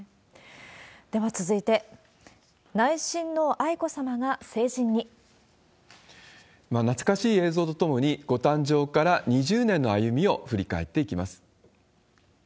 では続いて、内懐かしい映像とともに、ご誕生から２０年の歩みを振り返っていきます。